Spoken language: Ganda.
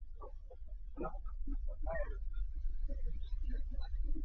Abayita ababiri bejjukanya, enviiri zikulaga engo .